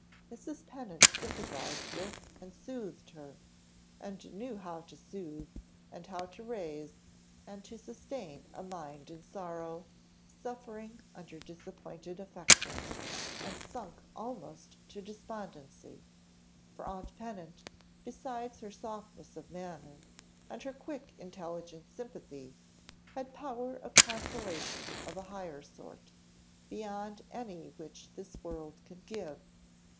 Mrs. Pennant sympathised with and soothed her, and knew how to sooth, and how to raise, and to sustain a mind in sorrow, suffering under disappointed affection, and sunk almost to despondency; for aunt Pennant, besides her softness of manner, and her quick intelligent sympathy, had power of consolation of a higher sort, beyond any which this world can give.